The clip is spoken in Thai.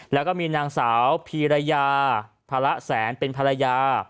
แล้วก็มีนางสาวพีรยาพระแสนเป็นภรรยา